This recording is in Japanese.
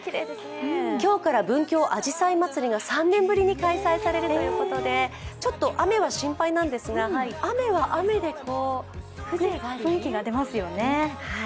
今日から文京あじさいまつりが３年ぶりに開催されるということでちょっと雨は心配なんですが、雨は雨で、風情がありますね。